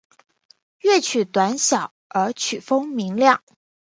乐曲短小而曲风明亮。